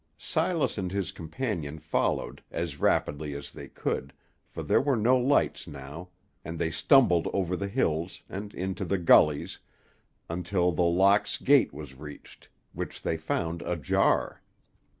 Silas and his companion followed, as rapidly as they could, for there were no lights now, and they stumbled over the hills, and into the gullies, until The Locks gate was reached, which they found ajar.